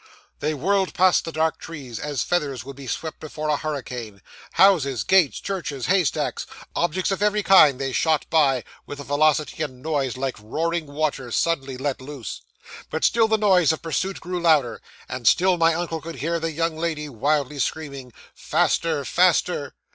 'They whirled past the dark trees, as feathers would be swept before a hurricane. Houses, gates, churches, haystacks, objects of every kind they shot by, with a velocity and noise like roaring waters suddenly let loose. But still the noise of pursuit grew louder, and still my uncle could hear the young lady wildly screaming, "Faster! Faster!"